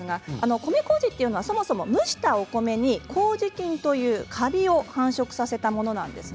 米こうじは蒸したお米にこうじ菌というカビを繁殖させたものなんです。